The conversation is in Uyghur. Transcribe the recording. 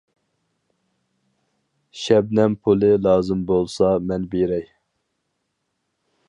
شەبنەم پۇلى لازىم بولسا مەن بېرەي.